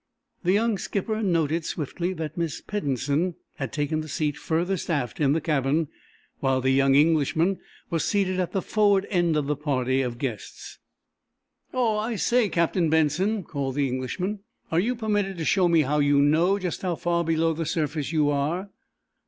The young skipper noted, swiftly, that Miss Peddensen had taken the seat furthest aft in the cabin, while the young Englishman was seated at the forward end of the party of guests. "Oh, I say, Captain Benson," called the Englishman, "are you permitted to show me how you know just how far below the surface you are?"